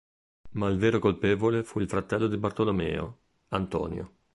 Ma il vero colpevole fu il fratello di Bartolomeo, Antonio.